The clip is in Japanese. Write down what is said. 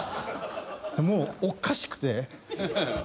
もうおかしくて。